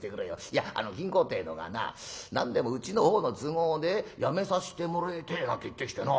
いやあの金公ってのがな何でもうちの方の都合で辞めさせてもれえてえなんて言ってきてな。